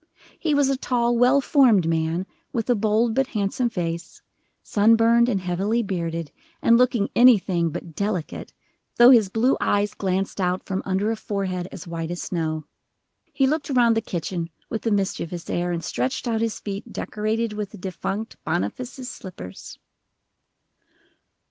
He was a tall, well formed man, with a bold but handsome face, sun burned and heavily bearded, and looking anything but "delicate," though his blue eyes glanced out from under a forehead as white as snow. He looked around the kitchen with a mischievous air, and stretched out his feet decorated with the defunct Boniface's slippers.